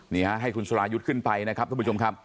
นี่ฮะให้คุณสรายุทธ์ขึ้นไปนะครับทุกผู้ชมครับ